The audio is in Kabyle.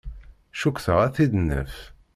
Cukkteɣ ad t-id-naf.